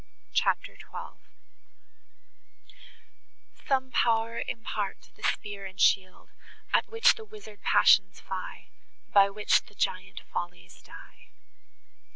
CHAPTER XII Some pow'r impart the spear and shield, At which the wizard passions fly, By which the giant follies die!